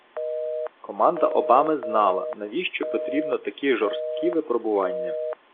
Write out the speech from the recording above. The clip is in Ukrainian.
Команда Обами знала, навіщо потрібні такі жорсткі випробування.